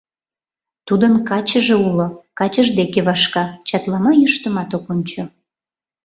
Тудын качыже уло, качыж деке вашка, чатлама йӱштымат ок ончо.